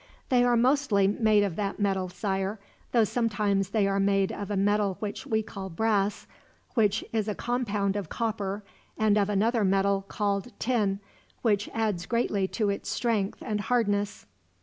"They are mostly made of that metal, Sire, though sometimes they are made of a metal which we call brass, which is a compound of copper, and of another metal called tin, which adds greatly to its strength and hardness."